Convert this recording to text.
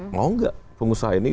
mau enggak pengusaha ini